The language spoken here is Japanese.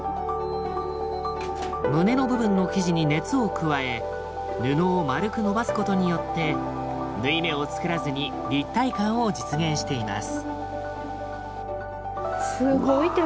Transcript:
胸の部分の生地に熱を加え布を丸く伸ばすことによって縫い目をつくらずに立体感を実現しています。